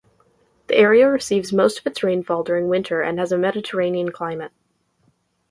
The area receives most of its rainfall during winter and has a Mediterranean climate.